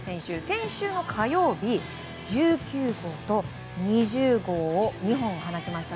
先週の火曜日、１９号と２０号２本放ちました。